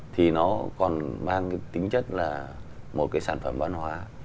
thì nó còn mang cái tính chất là một cái sản phẩm văn hóa